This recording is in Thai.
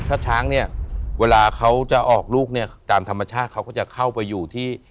ถ้าช้างเนี่ยเวลาเขาจะออกลูกเนี่ยตามธรรมชาติเขาก็จะเข้าไปอยู่ที่